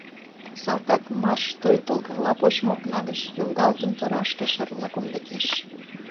Салтак марш той толкынла почмо окна гыч, Йоҥгалтын торашке, шарла кумдыкеш.